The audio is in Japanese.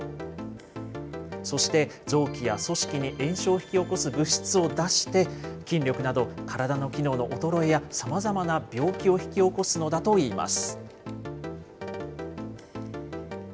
そして、臓器や組織に炎症を引き起こす物質を出して筋力など体の機能の衰えや、さまざまな病気を引き起こすのだといいます。